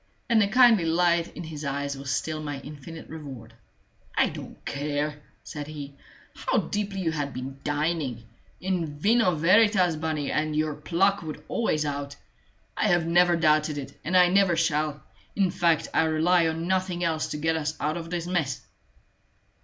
And the kindly light in his eyes was still my infinite reward. "I don't care," said he, "how deeply you had been dining: in vino veritas, Bunny, and your pluck would always out! I have never doubted it, and I never shall. In fact, I rely on nothing else to get us out of this mess."